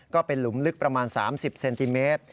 ก็เป็นหลุมลึกประมาณ๓๐เซนติเมตร